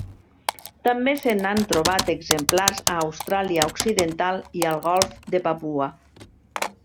També se n'han trobat exemplars a Austràlia Occidental i al Golf de Papua.